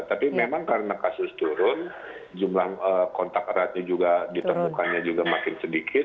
tapi memang karena kasus turun jumlah kontak eratnya juga ditemukannya juga makin sedikit